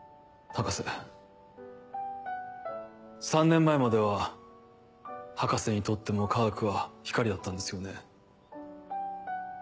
３年前までは博士にとっても科学は光だったんですよね？